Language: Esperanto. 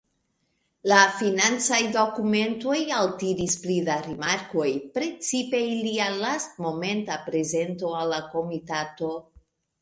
La financaj dokumentoj altiris pli da rimarkoj, precipe ilia lastmomenta prezento al la komitato.